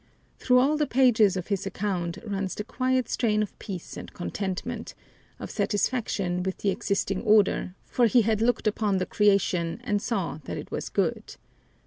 Through all the pages of his account runs the quiet strain of peace and contentment, of satisfaction with the existing order, for he had looked upon the creation and saw that it was good.